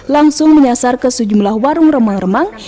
langsung menyasar ke sejumlah warung remang remang